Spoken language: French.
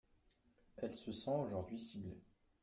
Elle se sent aujourd’hui ciblée.